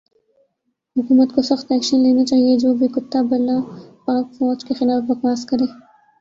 حکومت کو سخت ایکشن لینا چایئے جو بھی کتا بلا پاک فوج کے خلاف بکواس کرے